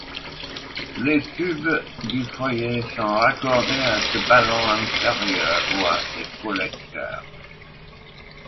Les tubes du foyer sont raccordés à ce ballon inférieur ou à ces collecteurs.